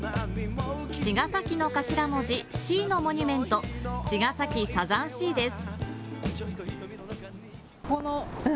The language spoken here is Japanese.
茅ヶ崎の頭文字、Ｃのモニュメント、茅ヶ崎サザンＣです。